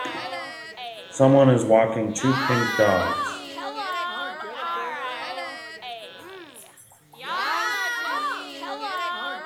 Someone is walking two pink dogs.